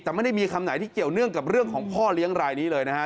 แต่ไม่ได้มีคำไหนที่เกี่ยวเนื่องกับเรื่องของพ่อเลี้ยงรายนี้เลยนะฮะ